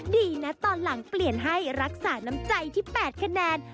ดีนะตอนหลังเปลี่ยนให้รักษาน้ำใจที่๘คะแนน